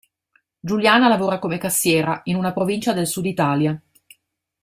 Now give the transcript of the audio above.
Giuliana lavora come cassiera, in una provincia del Sud Italia.